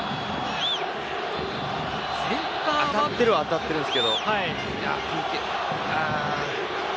当たってるは当たってるんですけど。